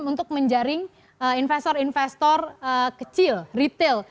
untuk menjaring investor investor kecil retail